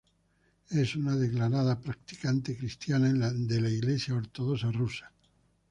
Es una declarada practicante cristiana en la Iglesia ortodoxa rusa.